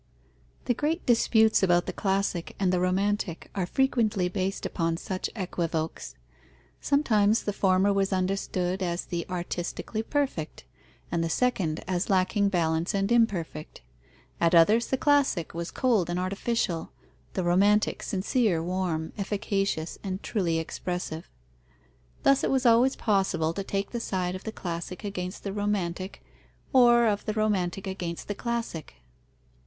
The great disputes about the classic and the romantic are frequently based upon such equivokes. Sometimes the former was understood as the artistically perfect, and the second as lacking balance and imperfect; at others, the classic was cold and artificial, the romantic sincere, warm, efficacious, and truly expressive. Thus it was always possible to take the side of the classic against the romantic, or of the romantic against the classic.